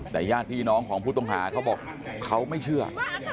แต่ญาติพี่น้องของผู้ต้องหาเขาบอกเขาไม่เชื่อ